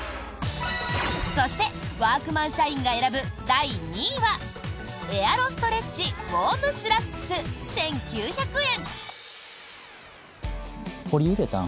そして、ワークマン社員が選ぶ第２位はエアロストレッチウォームスラックス１９００円。